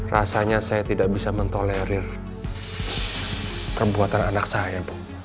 rasanya saya tidak bisa mentolerir perbuatan anak saya